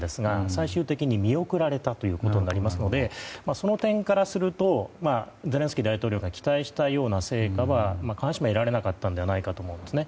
最終的に見送られたことになりますのでその点からするとゼレンスキー大統領が期待したような成果は必ずしも得られなかったと思うんですね。